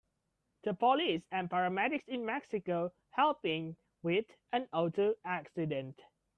The police and paramedics in Mexico helping with an auto accident.